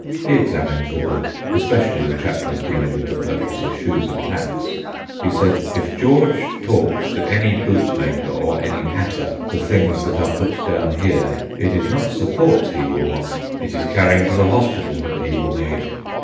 He examined the book, especially the chapters dealing with the purchase of shoes and hats. He said: "If George talks to any bootmaker or any hatter the things that are put down here, it is not support he will want; it is carrying to the hospital that he will need."